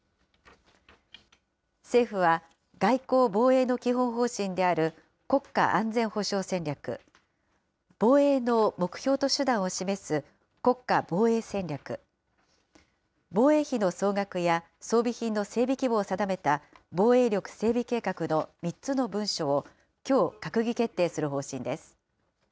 政府は、外交・防衛の基本方針である国家安全保障戦略、防衛の目標と手段を示す国家防衛戦略、防衛費の総額や装備品の整備規模を定めた防衛力整備計画の３つの文書を、きょう閣議決定する方針です。